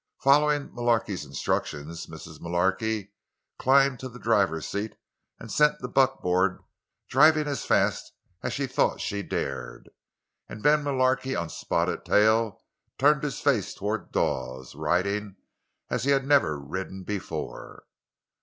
Following Mullarky's instructions, Mrs. Mullarky climbed to the driver's seat and sent the buckboard toward the Arrow, driving as fast as she thought she dared. And Ben Mullarky, on Spotted Tail, turned his face toward Dawes, riding as he had never ridden before.